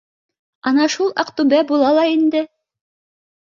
Ана шул Аҡтүбә була ла инде